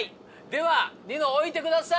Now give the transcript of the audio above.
ではニノ置いてください。